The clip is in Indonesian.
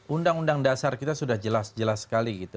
undang undang dasar kita sudah jelas sekali